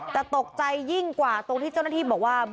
แต่ตกใจยิ่งกว่าตรงที่เจ้าหน้าที่บอกว่า